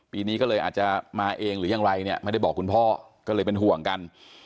ปีนี้ก็เลยอาจจะมาเองหรือยังไรเนี่ยไม่ได้บอกคุณพ่อก็เลยเป็นห่วงกัน